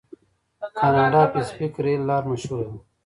د کاناډا پیسفیک ریل لار مشهوره ده.